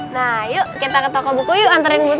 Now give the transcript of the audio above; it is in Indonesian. nah yuk kita ke toko buku yuk anterin butet